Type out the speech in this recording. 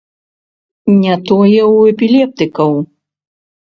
Не тое ў эпілептыкаў.